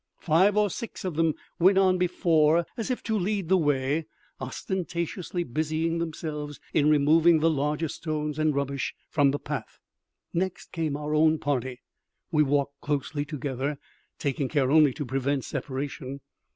Five or six of them went on before, as if to lead the way, ostentatiously busying themselves in removing the larger stones and rubbish from the path. Next came our own party. We walked closely together, taking care only to prevent separation.